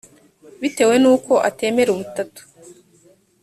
bitewe n’uko atemera ubutatu